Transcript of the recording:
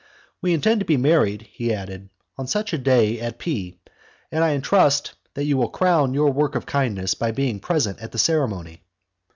"We intend to be married," he added, "on such a day at P , and I trust that you will crown your work of kindness by being present at the ceremony."